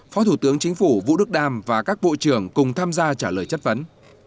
phó thủ tướng chính phủ vũ đức đam và các bộ trưởng cùng tham gia trả lời chất vấn